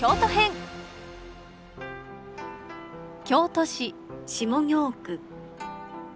京都市下京区。